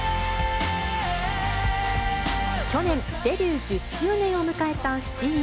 去年、デビュー１０周年を迎えた７人。